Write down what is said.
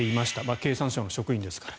経産省の職員ですから。